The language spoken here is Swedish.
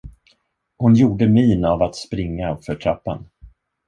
Hon gjorde min av att springa uppför trappan.